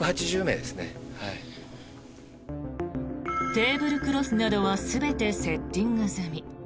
テーブルクロスなどは全てセッティング済み。